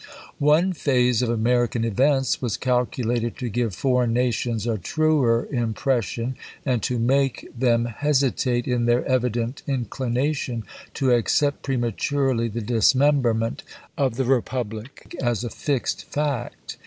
One phase of American events was calculated to give foreign nations a truer impression, and to make them hesi tate in their evident inclination to accept pre maturely the dismemberment of the repubhc as a fixed fact.